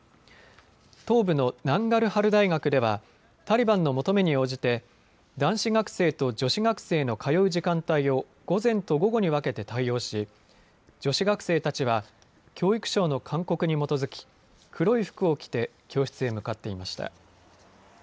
東部のナンガルハル大学ではタリバンの求めに応じて男子学生と女子学生の通う時間帯を午前と午後に分けて対応し、女子学生たちは教育省の勧告に基づき、黒い服を着て教室へ向かっていました。